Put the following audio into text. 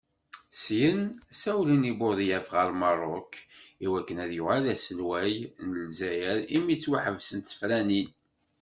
Syin, ssawlen i Budyaf ɣer Merruk i waken ad yuɣal d aselwaya n Lezzayer imi ttwaḥebsent tefranin.